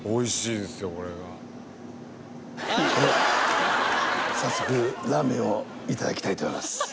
では早速ラーメンを頂きたいと思います。